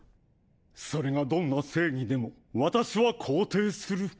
それがどんな正義でも私は肯定する。